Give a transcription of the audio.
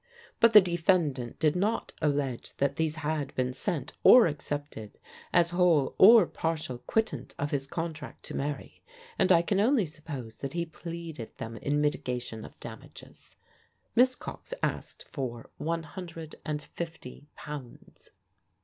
But the defendant did not allege that these had been sent or accepted as whole or partial quittance of his contract to marry, and I can only suppose that he pleaded them in mitigation of damages. Miss Cox asked for one hundred and fifty pounds.